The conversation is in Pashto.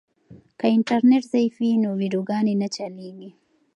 که انټرنیټ ضعیف وي نو ویډیوګانې نه چلیږي.